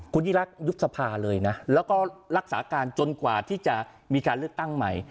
คุณยิ่งรักยุบสภาเลยนะแล้วก็รักษาการจนกว่าที่จะมีการเลือกตั้งใหม่